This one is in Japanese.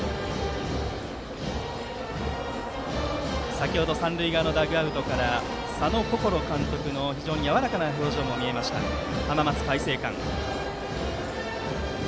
先程、三塁側のダグアウトから佐野心監督の非常にやわらかな表情も見えました浜松開誠館です。